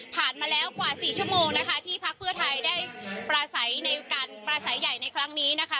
มาแล้วกว่าสี่ชั่วโมงนะคะที่พักเพื่อไทยได้ประสัยในการประสัยใหญ่ในครั้งนี้นะคะ